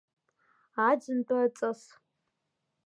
Аӡынтәи аҵыс…